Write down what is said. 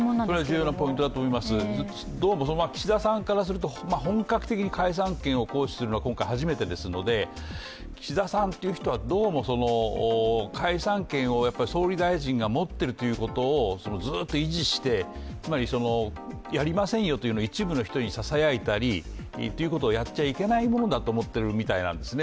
重要なポイントだと思います岸田さんからすると、本格的に解散権を行使するのは今回初めてですので、岸田さんという人は、どうも解散権を総理大臣が持っているということをずっと維持してつまり、やりませんよというのを一部の人にささやいたりということをやっちゃいけないものだと思っているみたいなんですね。